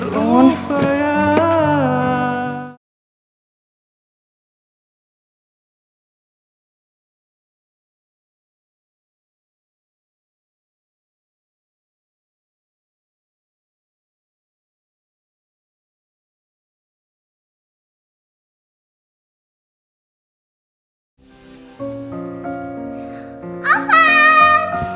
nah sekarang ini